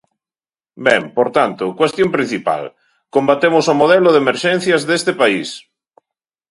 Ben, por tanto, cuestión principal: combatemos o modelo de emerxencias deste país.